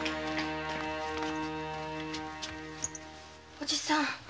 おじさん